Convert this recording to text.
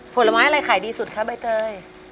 ผลไม้อะไรขายดีสุดคะใบเตย